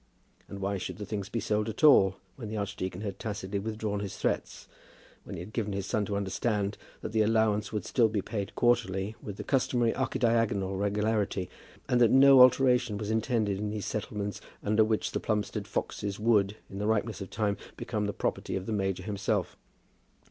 And why should the things be sold at all, when the archdeacon had tacitly withdrawn his threats, when he had given his son to understand that the allowance would still be paid quarterly with the customary archidiaconal regularity, and that no alteration was intended in those settlements under which the Plumstead foxes would, in the ripeness of time, become the property of the major himself.